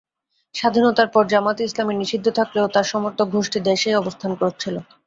স্বাধীনতার পর জামায়াতে ইসলামী নিষিদ্ধ থাকলেও তার সমর্থকগোষ্ঠী দেশেই অবস্থান করছিল।